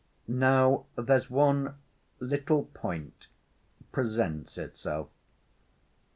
"Now, there's one little point presents itself.